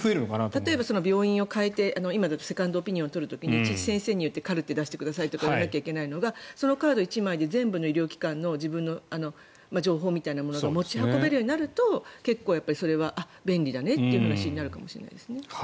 例えば病院を変えて今だとセカンドオピニオンを取る時にいちいち先生に言ってカルテ出してくださいって言わなきゃいけないのがそのカード１枚で全部の医療機関の自分の情報みたいなものが持ち運べるようになるとそれは便利だねという話になるかもしれませんね。